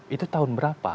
itu tahun berapa